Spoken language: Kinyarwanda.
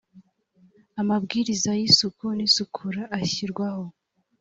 amabwiriza y isuku n isukura ashyirwaho